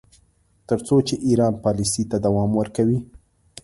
تر څو چې ایران پالیسۍ ته دوام ورکوي.